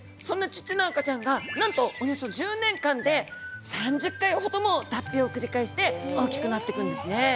そんなちっちゃな赤ちゃんがなんとおよそ１０年間で３０回ほども脱皮を繰り返して大きくなっていくんですね。